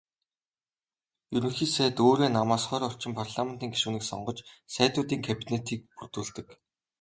Ерөнхий сайд өөрийн намаас хорь орчим парламентын гишүүнийг сонгож "Сайдуудын кабинет"-ийг бүрдүүлдэг.